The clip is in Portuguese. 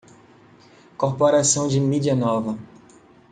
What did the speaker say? Corporação de mídia nova